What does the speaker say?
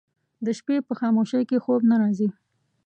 د شپې په خاموشۍ کې خوب نه راځي